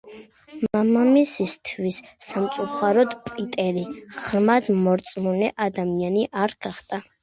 მამამისისთვის სამწუხაროდ, პიტერი ღრმად მორწმუნე ადამიანი არ გახდა.